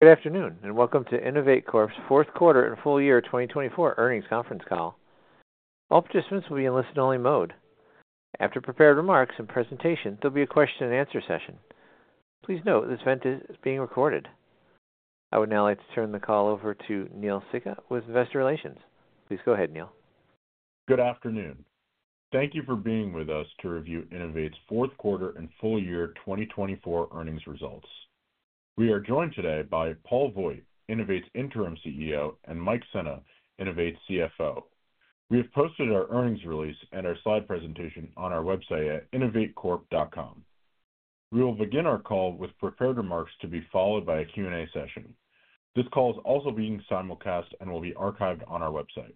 Good afternoon and welcome to INNOVATE Corp's Fourth Quarter and Full Year 2024 Earnings Conference Call. All participants will be in listen-only mode. After prepared remarks and presentation, there'll be a question-and-answer session. Please note this event is being recorded. I would now like to turn the call over to Neel Sikka with Investor Relations. Please go ahead, Neel. Good afternoon. Thank you for being with us to review INNOVATE's fourth quarter and full year 2024 earnings results. We are joined today by Paul Voigt, INNOVATE's interim CEO, and Mike Sena, INNOVATE's CFO. We have posted our earnings release and our slide presentation on our website at innovatecorp.com. We will begin our call with prepared remarks to be followed by a Q&A session. This call is also being simulcast and will be archived on our website.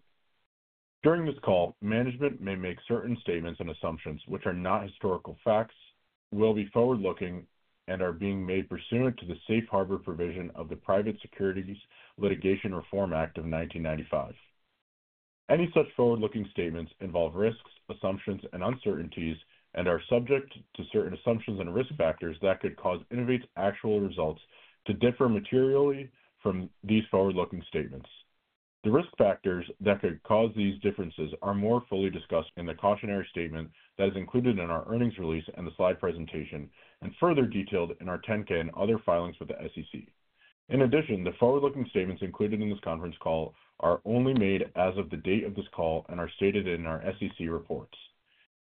During this call, management may make certain statements and assumptions which are not historical facts, will be forward-looking, and are being made pursuant to the safe harbor provision of the Private Securities Litigation Reform Act of 1995. Any such forward-looking statements involve risks, assumptions, and uncertainties, and are subject to certain assumptions and risk factors that could cause INNOVATE's actual results to differ materially from these forward-looking statements. The risk factors that could cause these differences are more fully discussed in the cautionary statement that is included in our earnings release and the slide presentation, and further detailed in our 10-K and other filings with the SEC. In addition, the forward-looking statements included in this conference call are only made as of the date of this call and are stated in our SEC reports.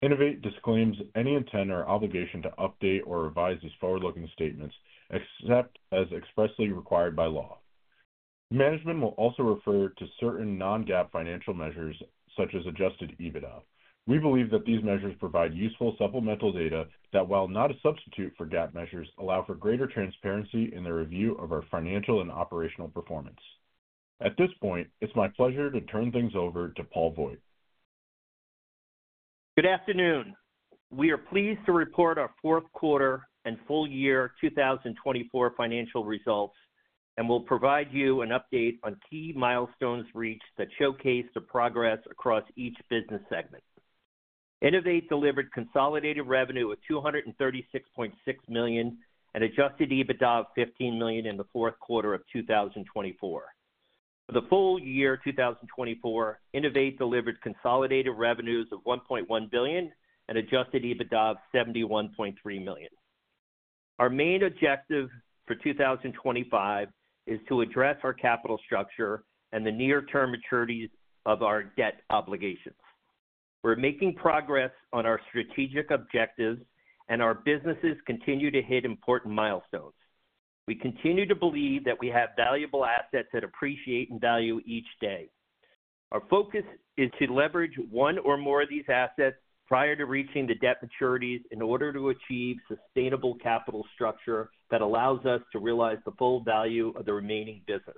INNOVATE disclaims any intent or obligation to update or revise these forward-looking statements except as expressly required by law. Management will also refer to certain non-GAAP financial measures such as adjusted EBITDA. We believe that these measures provide useful supplemental data that, while not a substitute for GAAP measures, allow for greater transparency in the review of our financial and operational performance. At this point, it's my pleasure to turn things over to Paul Voigt. Good afternoon. We are pleased to report our fourth quarter and full year 2024 financial results, and we'll provide you an update on key milestones reached that showcase the progress across each business segment. INNOVATE delivered consolidated revenue of $236.6 million and adjusted EBITDA of $15 million in the fourth quarter of 2024. For the full year 2024, INNOVATE delivered consolidated revenues of $1.1 billion and adjusted EBITDA of $71.3 million. Our main objective for 2025 is to address our capital structure and the near-term maturities of our debt obligations. We're making progress on our strategic objectives, and our businesses continue to hit important milestones. We continue to believe that we have valuable assets that appreciate in value each day. Our focus is to leverage one or more of these assets prior to reaching the debt maturities in order to achieve sustainable capital structure that allows us to realize the full value of the remaining business.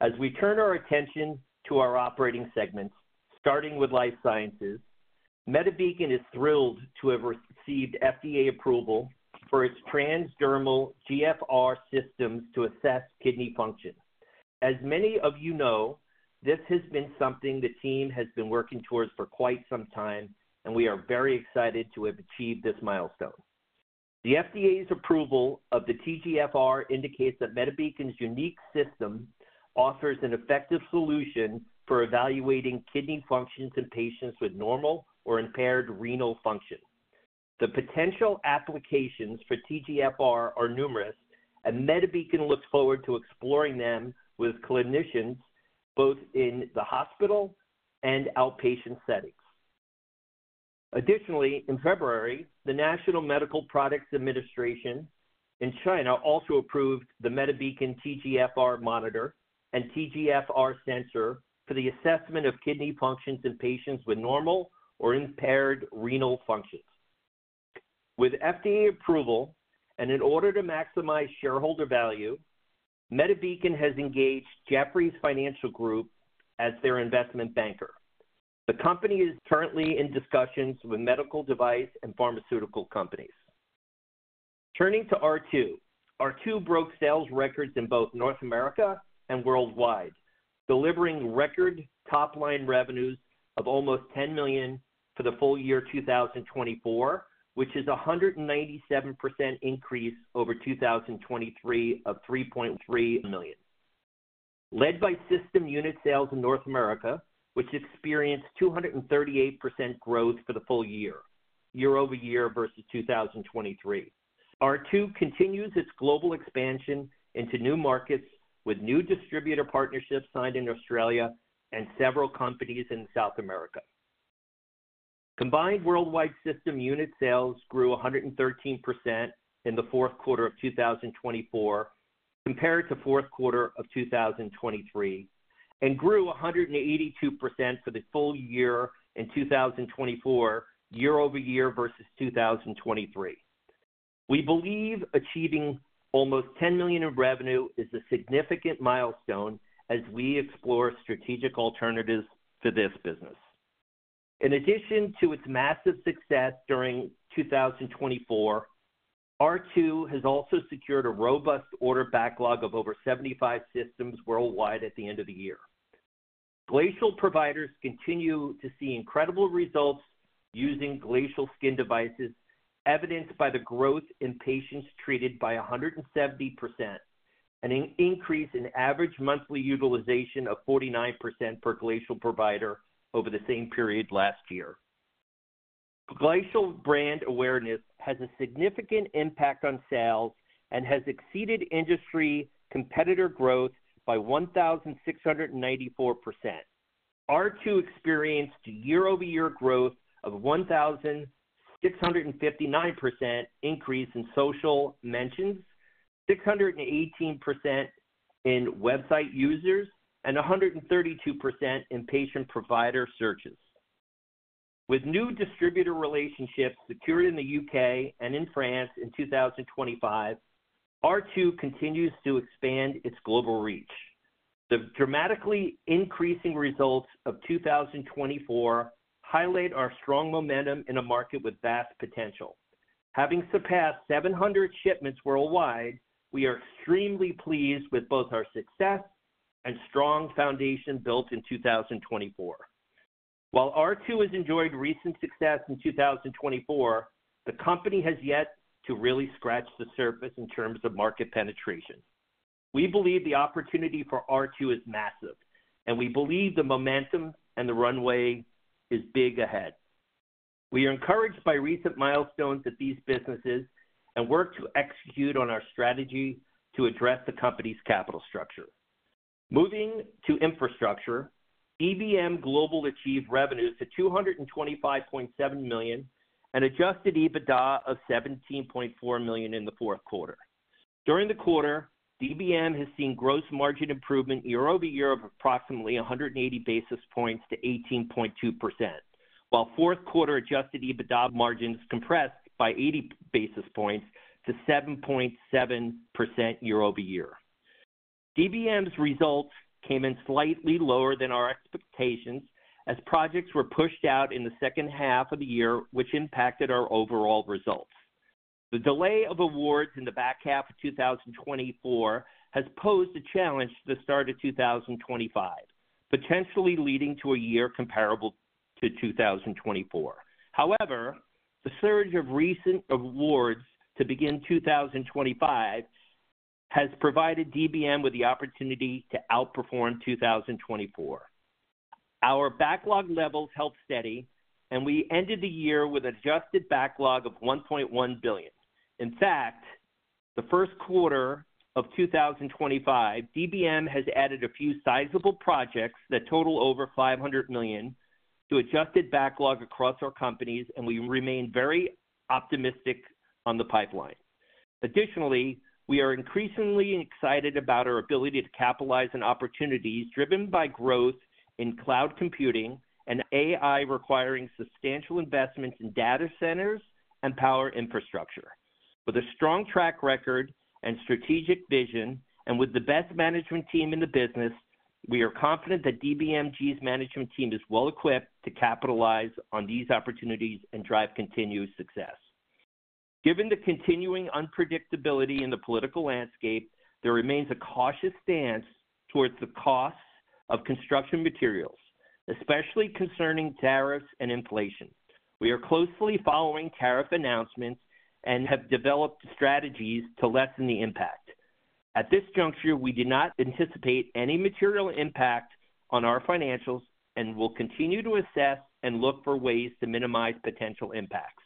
As we turn our attention to our operating segments, starting with life sciences, MediBeacon is thrilled to have received FDA approval for its transdermal GFR systems to assess kidney function. As many of you know, this has been something the team has been working towards for quite some time, and we are very excited to have achieved this milestone. The FDA's approval of the tGFR indicates that MediBeacon's unique system offers an effective solution for evaluating kidney functions in patients with normal or impaired renal function. The potential applications for tGFR are numerous, and MediBeacon looks forward to exploring them with clinicians both in the hospital and outpatient settings. Additionally, in February, the National Medical Products Administration in China also approved the MediBeacon tGFR Monitor and tGFR Sensor for the assessment of kidney functions in patients with normal or impaired renal functions. With FDA approval and in order to maximize shareholder value, MediBeacon has engaged Jefferies Financial Group as their investment banker. The company is currently in discussions with medical device and pharmaceutical companies. Turning to R2, R2 broke sales records in both North America and worldwide, delivering record top-line revenues of almost $10 million for the full year 2024, which is a 197% increase over 2023 of $3.3 million. Led by system unit sales in North America, which experienced 238% growth for the full year, year-over-year versus 2023, R2 continues its global expansion into new markets with new distributor partnerships signed in Australia and several companies in South America. Combined worldwide system unit sales grew 113% in the fourth quarter of 2024 compared to the fourth quarter of 2023, and grew 182% for the full year in 2024, year-over-year versus 2023. We believe achieving almost $10 million in revenue is a significant milestone as we explore strategic alternatives for this business. In addition to its massive success during 2024, R2 has also secured a robust order backlog of over 75 systems worldwide at the end of the year. Glacial providers continue to see incredible results using Glacial skin devices, evidenced by the growth in patients treated by 170% and an increase in average monthly utilization of 49% per Glacial provider over the same period last year. Glacial brand awareness has a significant impact on sales and has exceeded industry competitor growth by 1,694%. R2 experienced year-over-year growth of 1,659% increase in social mentions, 618% in website users, and 132% in patient provider searches. With new distributor relationships secured in the U.K. and in France in 2025, R2 continues to expand its global reach. The dramatically increasing results of 2024 highlight our strong momentum in a market with vast potential. Having surpassed 700 shipments worldwide, we are extremely pleased with both our success and strong foundation built in 2024. While R2 has enjoyed recent success in 2024, the company has yet to really scratch the surface in terms of market penetration. We believe the opportunity for R2 is massive, and we believe the momentum and the runway is big ahead. We are encouraged by recent milestones at these businesses and work to execute on our strategy to address the company's capital structure. Moving to infrastructure, DBM Global achieved revenues of $225.7 million and adjusted EBITDA of $17.4 million in the fourth quarter. During the quarter, DBM has seen gross margin improvement year-over-year of approximately 180 basis points to 18.2%, while fourth quarter adjusted EBITDA margins compressed by 80 basis points to 7.7% year-over-year. DBM's results came in slightly lower than our expectations as projects were pushed out in the second half of the year, which impacted our overall results. The delay of awards in the back half of 2024 has posed a challenge to the start of 2025, potentially leading to a year comparable to 2024. However, the surge of recent awards to begin 2025 has provided DBM with the opportunity to outperform 2024. Our backlog levels held steady, and we ended the year with an adjusted backlog of $1.1 billion. In fact, the first quarter of 2025, DBM has added a few sizable projects that total over $500 million to adjusted backlog across our companies, and we remain very optimistic on the pipeline. Additionally, we are increasingly excited about our ability to capitalize on opportunities driven by growth in cloud computing and AI, requiring substantial investments in data centers and power infrastructure. With a strong track record and strategic vision, and with the best management team in the business, we are confident that DBM Global's management team is well equipped to capitalize on these opportunities and drive continued success. Given the continuing unpredictability in the political landscape, there remains a cautious stance towards the costs of construction materials, especially concerning tariffs and inflation. We are closely following tariff announcements and have developed strategies to lessen the impact. At this juncture, we do not anticipate any material impact on our financials and will continue to assess and look for ways to minimize potential impacts.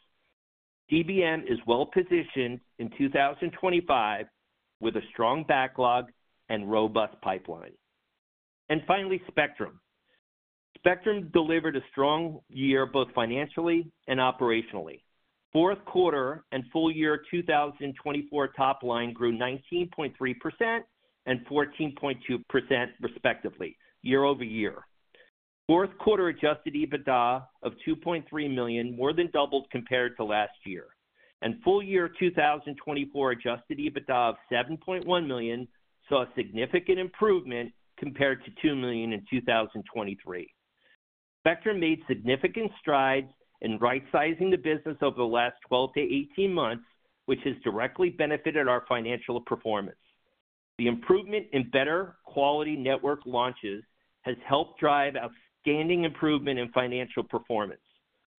DBM is well positioned in 2025 with a strong backlog and robust pipeline. Finally, Spectrum. Spectrum delivered a strong year both financially and operationally. Fourth quarter and full year 2024 top line grew 19.3% and 14.2% respectively, year-over-year. Fourth quarter adjusted EBITDA of $2.3 million more than doubled compared to last year. Full year 2024 adjusted EBITDA of $7.1 million saw a significant improvement compared to $2 million in 2023. Spectrum made significant strides in right-sizing the business over the last 12 to 18 months, which has directly benefited our financial performance. The improvement in better quality network launches has helped drive outstanding improvement in financial performance.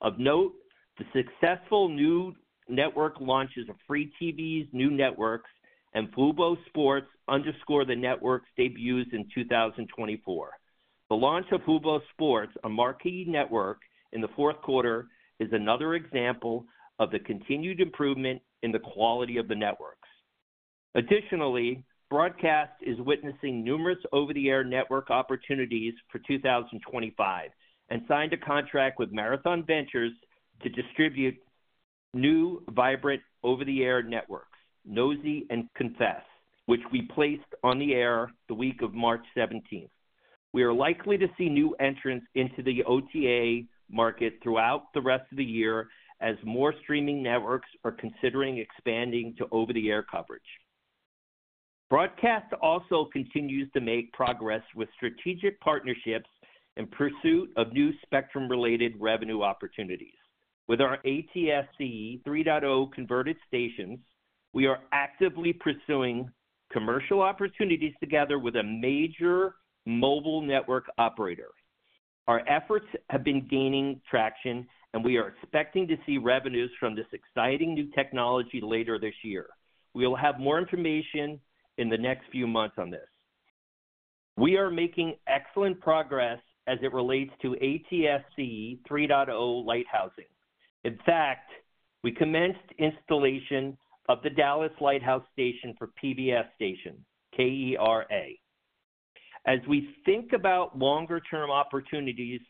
Of note, the successful new network launches of FreeTV new networks, and Fubo Sports underscore the network's debuts in 2024. The launch of Fubo Sports, a marquee network in the fourth quarter, is another example of the continued improvement in the quality of the networks. Additionally, Broadcast is witnessing numerous over-the-air network opportunities for 2025 and signed a contract with Marathon Ventures to distribute new vibrant over-the-air networks, Nosey and Confess, which we placed on the air the week of March 17th. We are likely to see new entrants into the OTA market throughout the rest of the year as more streaming networks are considering expanding to over-the-air coverage. Broadcast also continues to make progress with strategic partnerships in pursuit of new Spectrum-related revenue opportunities. With our ATSC 3.0 converted stations, we are actively pursuing commercial opportunities together with a major mobile network operator. Our efforts have been gaining traction, and we are expecting to see revenues from this exciting new technology later this year. We will have more information in the next few months on this. We are making excellent progress as it relates to ATSC 3.0 lighthousing. In fact, we commenced installation of the Dallas Lighthouse Station for PBS Station, KERA. As we think about longer-term opportunities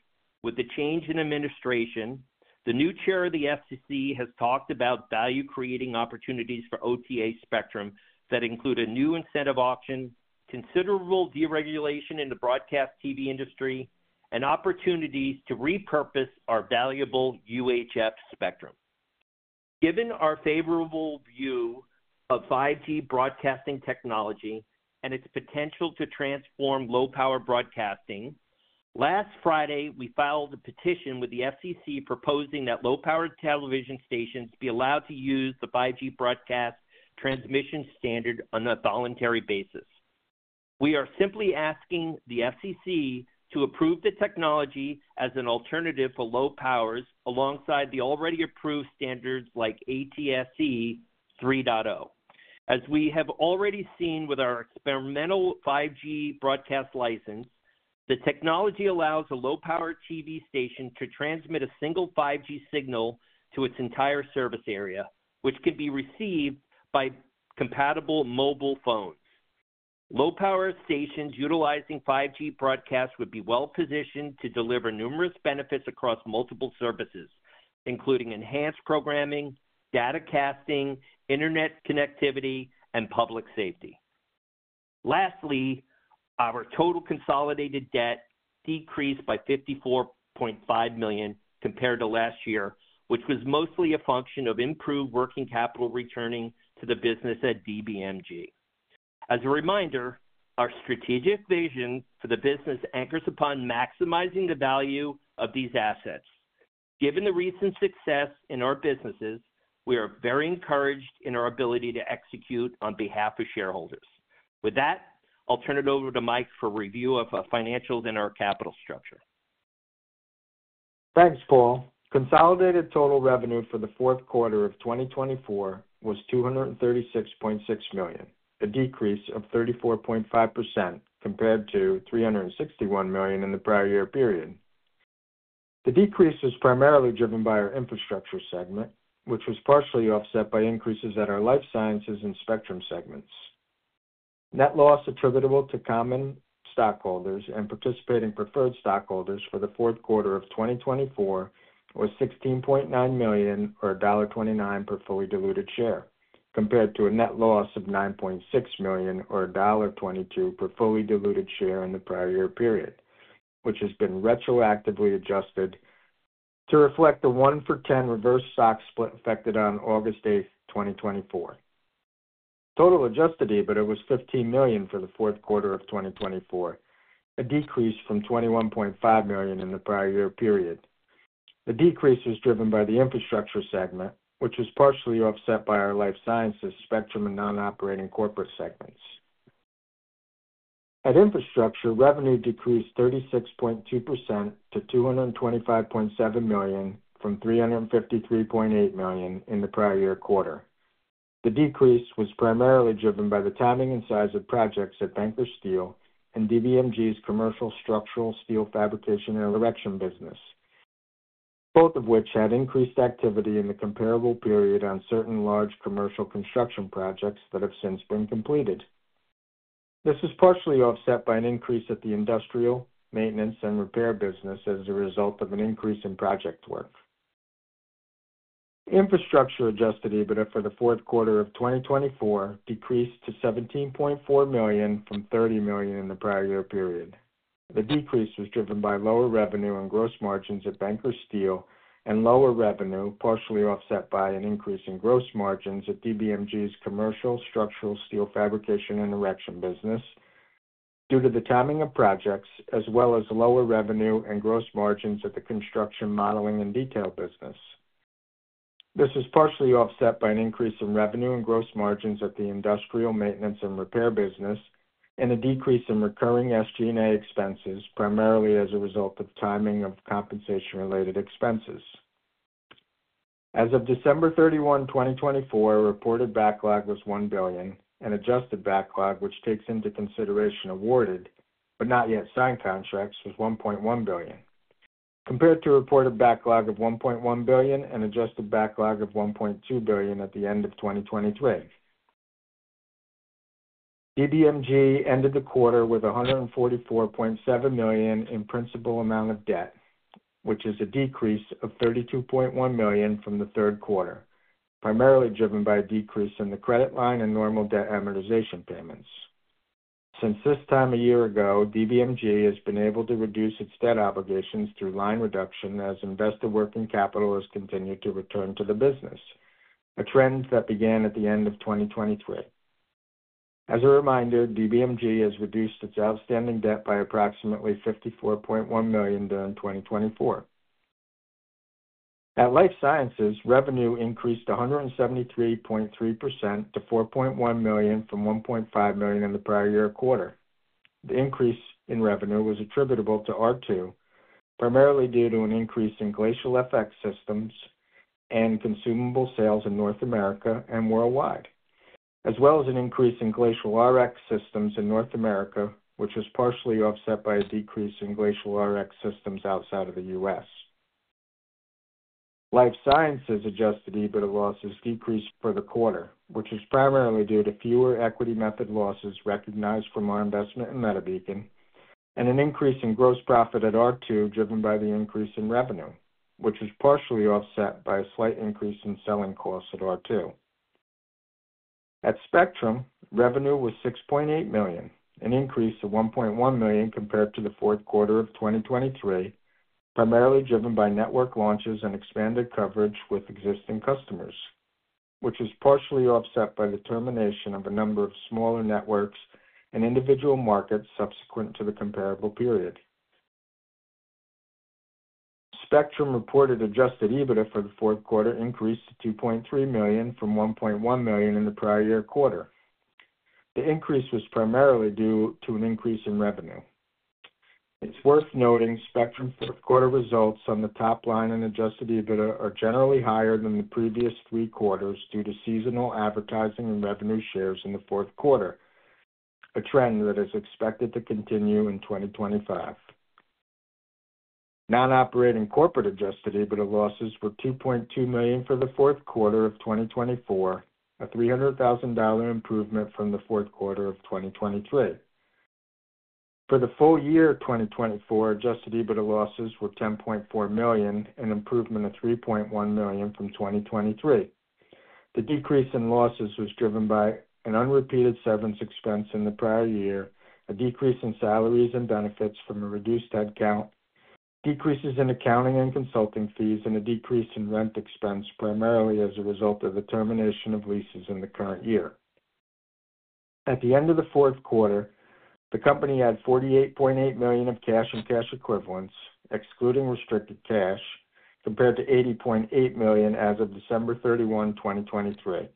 with the change in administration, the new chair of the FCC has talked about value-creating opportunities for OTA spectrum that include a new incentive auction, considerable deregulation in the broadcast TV industry, and opportunities to repurpose our valuable UHF spectrum. Given our favorable view of 5G broadcasting technology and its potential to transform low-power broadcasting, last Friday, we filed a petition with the FCC proposing that low-power television stations be allowed to use the 5G broadcast transmission standard on a voluntary basis. We are simply asking the FCC to approve the technology as an alternative for low powers alongside the already approved standards like ATSC 3.0. As we have already seen with our experimental 5G broadcast license, the technology allows a low-power TV station to transmit a single 5G signal to its entire service area, which can be received by compatible mobile phones. Low-power stations utilizing 5G broadcast would be well positioned to deliver numerous benefits across multiple services, including enhanced programming, data casting, internet connectivity, and public safety. Lastly, our total consolidated debt decreased by $54.5 million compared to last year, which was mostly a function of improved working capital returning to the business at DBM Global. As a reminder, our strategic vision for the business anchors upon maximizing the value of these assets. Given the recent success in our businesses, we are very encouraged in our ability to execute on behalf of shareholders. With that, I'll turn it over to Mike for review of our financials and our capital structure. Thanks, Paul. Consolidated total revenue for the fourth quarter of 2024 was $236.6 million, a decrease of 34.5% compared to $361 million in the prior year period. The decrease was primarily driven by our infrastructure segment, which was partially offset by increases at our life sciences and Spectrum segments. Net loss attributable to common stockholders and participating preferred stockholders for the fourth quarter of 2024 was $16.9 million or $1.29 per fully diluted share, compared to a net loss of $9.6 million or $1.22 per fully diluted share in the prior year period, which has been retroactively adjusted to reflect the one for 10 reverse stock split effected on August 8th, 2024. Total adjusted EBITDA was $15 million for the fourth quarter of 2024, a decrease from $21.5 million in the prior year period. The decrease was driven by the infrastructure segment, which was partially offset by our life sciences, Spectrum, and non-operating corporate segments. At infrastructure, revenue decreased 36.2% to $225.7 million from $353.8 million in the prior year quarter. The decrease was primarily driven by the timing and size of projects at Banker Steel and DBM Global's commercial structural steel fabrication and erection business, both of which had increased activity in the comparable period on certain large commercial construction projects that have since been completed. This was partially offset by an increase at the industrial maintenance and repair business as a result of an increase in project work. Infrastructure adjusted EBITDA for the fourth quarter of 2024 decreased to $17.4 million from $30 million in the prior year period. The decrease was driven by lower revenue and gross margins at Banker Steel and lower revenue partially offset by an increase in gross margins at DBM Global's commercial structural steel fabrication and erection business due to the timing of projects, as well as lower revenue and gross margins at the construction, modeling, and detail business. This was partially offset by an increase in revenue and gross margins at the industrial maintenance and repair business and a decrease in recurring SG&A expenses, primarily as a result of timing of compensation-related expenses. As of December 31, 2024, reported backlog was $1 billion, and adjusted backlog, which takes into consideration awarded but not yet signed contracts, was $1.1 billion, compared to reported backlog of $1.1 billion and adjusted backlog of $1.2 billion at the end of 2023. Global ended the quarter with $144.7 million in principal amount of debt, which is a decrease of $32.1 million from the third quarter, primarily driven by a decrease in the credit line and normal debt amortization payments. Since this time a year ago, DBM Global has been able to reduce its debt obligations through line reduction as invested working capital has continued to return to the business, a trend that began at the end of 2023. As a reminder, DBM Global has reduced its outstanding debt by approximately $54.1 million during 2024. At life sciences, revenue increased 173.3% to $4.1 million from $1.5 million in the prior year quarter. The increase in revenue was attributable to R2, primarily due to an increase in Glacial Fx systems and consumable sales in North America and worldwide, as well as an increase in Glacial Rx systems in North America, which was partially offset by a decrease in Glacial Rx systems outside of the US. Life sciences adjusted EBITDA losses decreased for the quarter, which was primarily due to fewer equity method losses recognized from our investment in MediBeacon and an increase in gross profit at R2 driven by the increase in revenue, which was partially offset by a slight increase in selling costs at R2. At Spectrum, revenue was $6.8 million, an increase of $1.1 million compared to the fourth quarter of 2023, primarily driven by network launches and expanded coverage with existing customers, which was partially offset by the termination of a number of smaller networks and individual markets subsequent to the comparable period. Spectrum reported adjusted EBITDA for the fourth quarter increased to $2.3 million from $1.1 million in the prior year quarter. The increase was primarily due to an increase in revenue. It's worth noting Spectrum's fourth quarter results on the top line and adjusted EBITDA are generally higher than the previous three quarters due to seasonal advertising and revenue shares in the fourth quarter, a trend that is expected to continue in 2025. Non-operating corporate adjusted EBITDA losses were $2.2 million for the fourth quarter of 2024, a $300,000 improvement from the fourth quarter of 2023. For the full year 2024, adjusted EBITDA losses were $10.4 million, an improvement of $3.1 million from 2023. The decrease in losses was driven by an unrepeated severance expense in the prior year, a decrease in salaries and benefits from a reduced headcount, decreases in accounting and consulting fees, and a decrease in rent expense, primarily as a result of the termination of leases in the current year. At the end of the fourth quarter, the company had $48.8 million of cash and cash equivalents, excluding restricted cash, compared to $80.8 million as of December 31, 2023.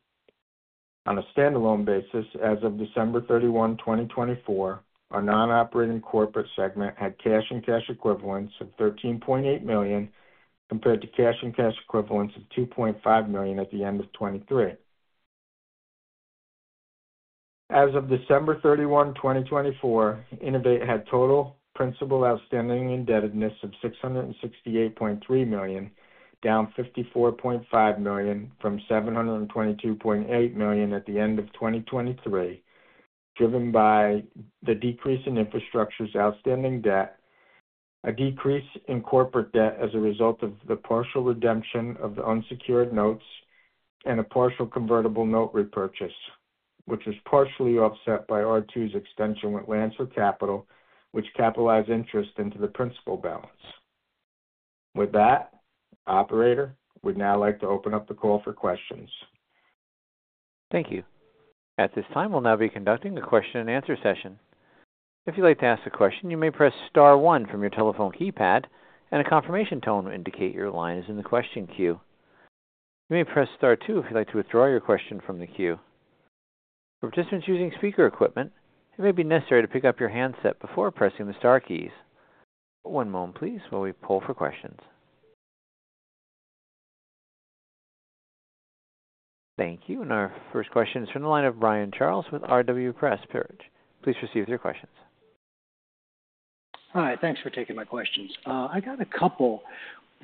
On a standalone basis, as of December 31, 2024, our non-operating corporate segment had cash and cash equivalents of $13.8 million compared to cash and cash equivalents of $2.5 million at the end of 2023. As of December 31, 2024, INNOVATE had total principal outstanding indebtedness of $668.3 million, down $54.5 million from $722.8 million at the end of 2023, driven by the decrease in infrastructure's outstanding debt, a decrease in corporate debt as a result of the partial redemption of the unsecured notes, and a partial convertible note repurchase, which was partially offset by R2's extension with Lancer Capital, which capitalized interest into the principal balance. With that, Operator, we'd now like to open up the call for questions. Thank you. At this time, we'll now be conducting the question-and-answer session. If you'd like to ask a question, you may press Star 1 from your telephone keypad, and a confirmation tone will indicate your line is in the question queue. You may press Star 2 if you'd like to withdraw your question from the queue. For participants using speaker equipment, it may be necessary to pick up your handset before pressing the Star keys. One moment, please, while we pull for questions. Thank you. Our first question is from the line of Brian Charles with RW Pressprich. Please proceed with your questions. Hi. Thanks for taking my questions. I got a couple.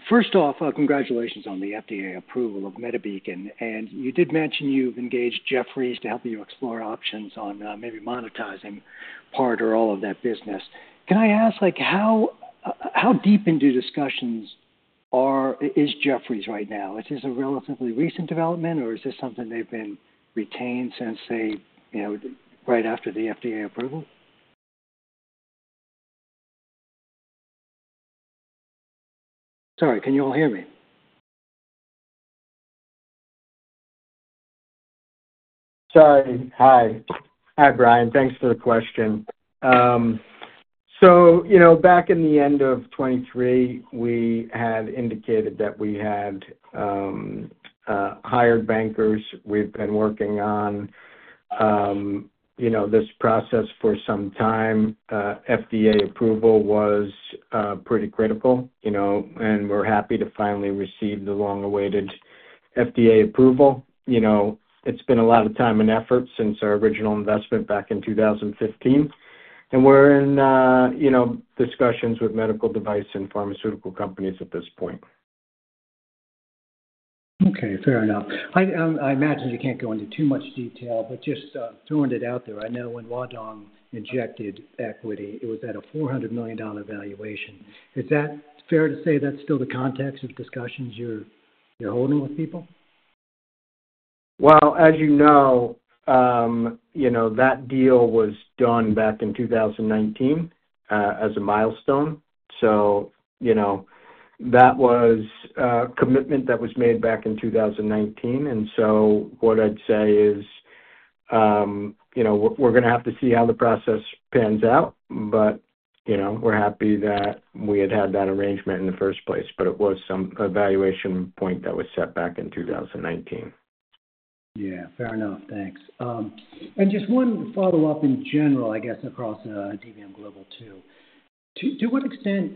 First off, congratulations on the FDA approval of MediBeacon. You did mention you've engaged Jefferies to help you explore options on maybe monetizing part or all of that business. Can I ask, how deep into discussions is Jefferies right now? Is this a relatively recent development, or is this something they've been retained since right after the FDA approval? Sorry, can you all hear me? Sorry. Hi. Hi, Brian. Thanks for the question. Back in the end of 2023, we had indicated that we had hired bankers. We've been working on this process for some time. FDA approval was pretty critical, and we're happy to finally receive the long-awaited FDA approval. It's been a lot of time and effort since our original investment back in 2015, and we're in discussions with medical device and pharmaceutical companies at this point. Okay. Fair enough. I imagine you can't go into too much detail, but just throwing it out there, I know when Huadong injected equity, it was at a $400 million valuation. Is that fair to say that's still the context of discussions you're holding with people? As you know, that deal was done back in 2019 as a milestone. That was a commitment that was made back in 2019. What I'd say is we're going to have to see how the process pans out, but we're happy that we had that arrangement in the first place. It was some evaluation point that was set back in 2019. Fair enough. Thanks. Just one follow-up in general, I guess, across DBM Global too. To what extent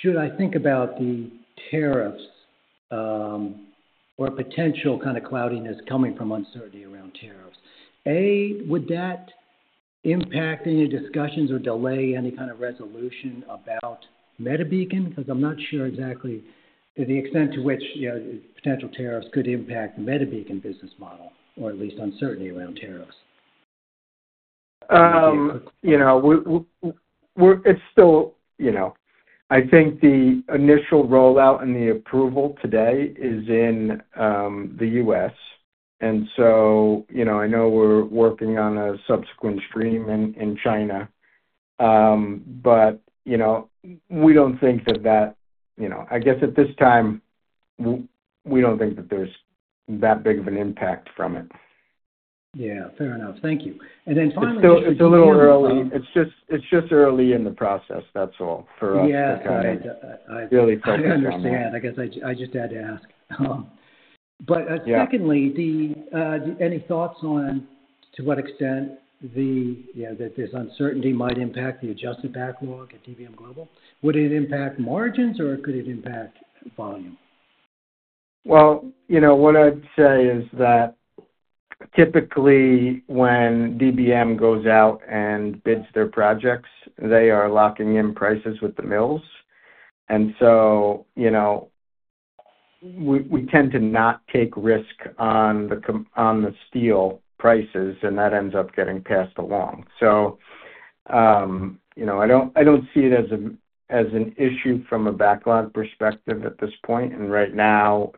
should I think about the tariffs or potential kind of cloudiness coming from uncertainty around tariffs? A, would that impact any discussions or delay any kind of resolution about MediBeacon? Because I'm not sure exactly to the extent to which potential tariffs could impact the MediBeacon business model, or at least uncertainty around tariffs. I think the initial rollout and the approval today is in the U.S.. I know we're working on a subsequent stream in China, but we don't think that, I guess at this time, we don't think that there's that big of an impact from it. Yeah. Fair enough. Thank you. Finally, just. It's a little early. It's just early in the process. That's all for us to kind of really focus on. Yeah. I understand. I guess I just had to ask. Secondly, any thoughts on to what extent that this uncertainty might impact the adjusted backlog at DBM Global? Would it impact margins, or could it impact volume? What I'd say is that typically when DBM goes out and bids their projects, they are locking in prices with the mills. We tend to not take risk on the steel prices, and that ends up getting passed along. I do not see it as an issue from a backlog perspective at this point. Right now,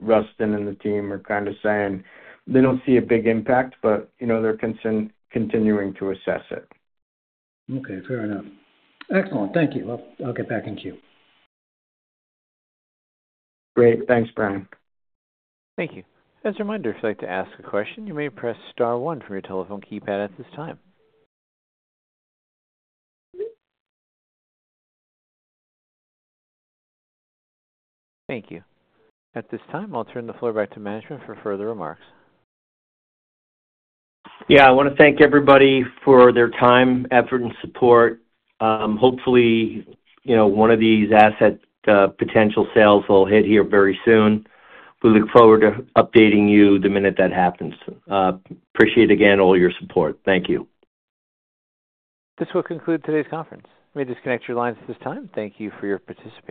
Rustin and the team are kind of saying they do not see a big impact, but they are continuing to assess it. Okay. Fair enough. Excellent. Thank you. I will get back in queue. Great. Thanks, Brian. Thank you. As a reminder, if you would like to ask a question, you may press star one from your telephone keypad at this time. Thank you. At this time, I will turn the floor back to management for further remarks. Yeah. I want to thank everybody for their time, effort, and support. Hopefully, one of these asset potential sales will hit here very soon. We look forward to updating you the minute that happens. Appreciate again all your support. Thank you. This will conclude today's conference. We may disconnect your lines at this time. Thank you for your participation.